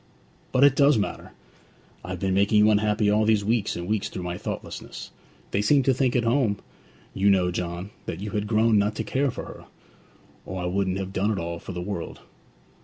'But it does matter! I've been making you unhappy all these weeks and weeks through my thoughtlessness. They seemed to think at home, you know, John, that you had grown not to care for her; or I wouldn't have done it for all the world!'